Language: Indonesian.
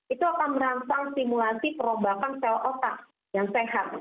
itu akan merangsang simulasi perombakan sel otak yang sehat